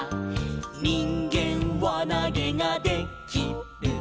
「にんげんわなげがで・き・る」